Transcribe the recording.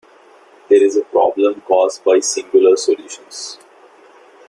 There is a problem caused by singular solutions.